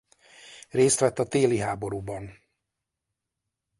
Részt vett a téli háborúban.